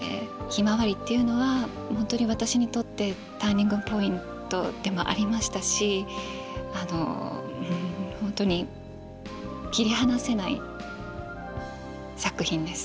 「ひまわり」っていうのは本当に私にとってターニングポイントでもありましたし本当に切り離せない作品です。